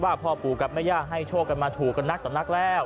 ร่ำรือกันว่าพ่อปู่กับแม่ย่าให้โชคกันมาถูกกันนักต่อนักแล้ว